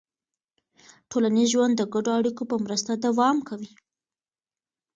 ټولنیز ژوند د ګډو اړیکو په مرسته دوام کوي.